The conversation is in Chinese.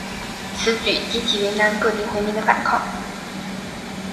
此举激起云南各地回民的反抗。